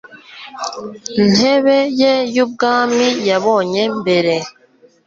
ntebe ye y ubwami yabonye mbere